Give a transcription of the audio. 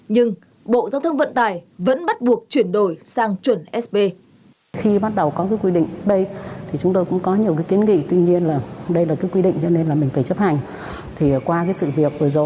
nhưng bộ giao thông vận tải vẫn bắt buộc chuyển đổi sang chuẩn sb